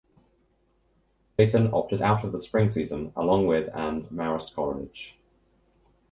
Dayton opted out of the spring season along with and Marist College.